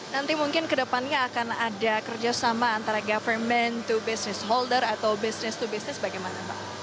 nanti mungkin kedepannya akan ada kerjasama antara government to business holder atau business to business bagaimana pak